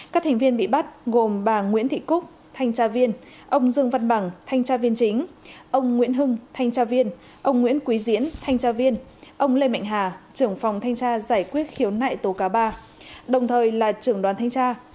các thành viên bị bắt gồm bà nguyễn thị cúc thanh tra viên ông dương văn bằng thanh tra viên chính ông nguyễn hưng thanh tra viên ông nguyễn quý diễn thanh tra viên ông lê mạnh hà trưởng phòng thanh tra giải quyết khiếu nại tố cáo ba đồng thời là trưởng đoàn thanh tra